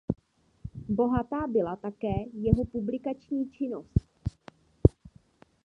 Bohatá byla také jeho publikační činnost.